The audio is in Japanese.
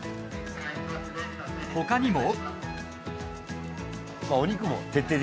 他にも。